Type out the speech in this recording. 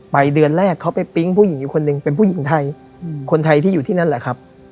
เดือนแรกเขาไปปิ๊งผู้หญิงอีกคนนึงเป็นผู้หญิงไทยคนไทยที่อยู่ที่นั่นแหละครับ